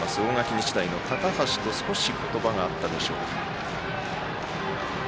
日大の高橋と少し言葉があったでしょうか。